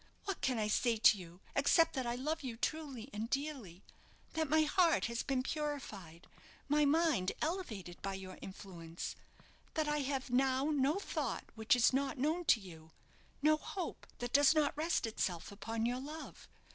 What can I say to you except that I love you truly and dearly; that my heart has been purified, my mind elevated by your influence; that I have now no thought which is not known to you no hope that does not rest itself upon your love.